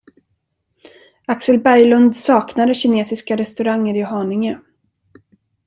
Axel Berglund saknade kinesiska restauranger i Haninge.